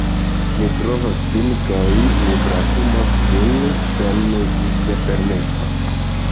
Mi trovos vin kaj mi brakumos vin sen via permeso...